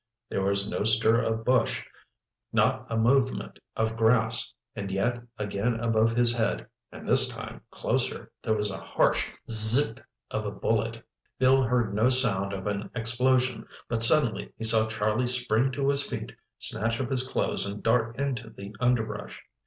There was no stir of bush, not a movement of grass. And yet again above his head—and this time closer—there was a harsh z z z p! of a bullet. Bill heard no sound of an explosion, but suddenly he saw Charlie spring to his feet, snatch up his clothes and dart into the underbrush.